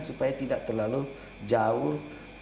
supaya tidak terlalu jauh